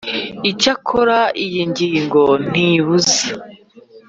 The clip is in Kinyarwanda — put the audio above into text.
Icyakora iyi ngingo ntibuza